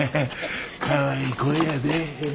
かわいい声やで。